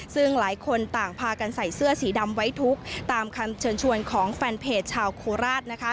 ซึ่งหลายคนต่างพากันใส่เสื้อสีดำไว้ทุกข์ตามคำเชิญชวนของแฟนเพจชาวโคราช